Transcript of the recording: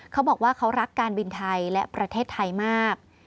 เขาบอกว่าเขารักการบินไทยและประเทศไทยมาก